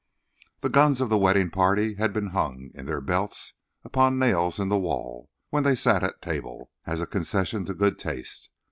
The guns of the wedding party had been hung, in their belts, upon nails in the wall when they sat at table, as a concession to good taste.